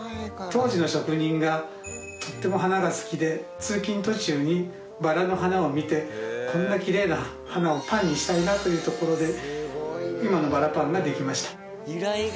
当時の職人がとっても花が好きで通勤途中にバラの花を見てこんなきれいな花をパンにしたいなというところで今のバラパンができました。